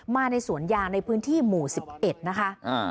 มาในสวนยางในพื้นที่หมู่๑๑นะคะ